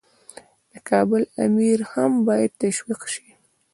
د کابل امیر هم باید تشویق شي.